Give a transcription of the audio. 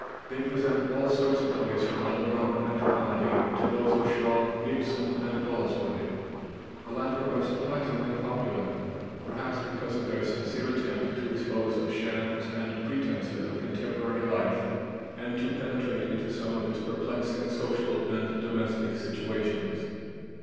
They present all sorts of plays from melodrama and comedy to those of Shaw, Ibsen, and Galsworthy. The latter are surprisingly popular, perhaps because of their sincere attempt to expose the shams and pretenses of contemporary life and to penetrate into some of its perplexing social and domestic situations.